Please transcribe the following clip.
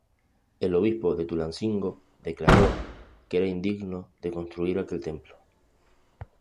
El obispo de Tulancingo declaró que era indigno construir aquel templo.